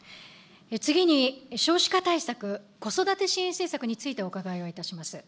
次に少子化対策、子育て支援政策についてお伺いをいたします。